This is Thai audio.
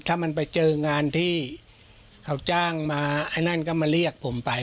ถ้ามันไปเจองานที่เขาจ้างมาไอ้นั่นก็มาเรียกผมไป